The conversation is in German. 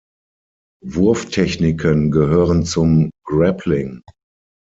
Wurftechniken gehören zum Grappling.